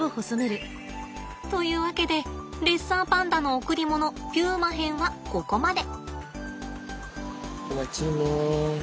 というわけでレッサーパンダの贈り物ピューマ編はここまで。